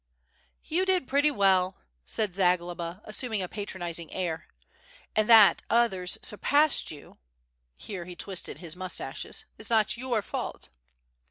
"You did pretty well/' said Zagloba, assuming a patron izing air, "and that others surpassed you (here he twisted his moustaches) is not your fault."